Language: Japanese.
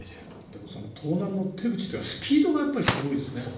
でも盗難の手口というのはスピードがすごいですね。